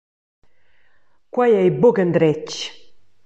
Quei ei buca endretg.